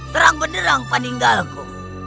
terang benderang paninggalku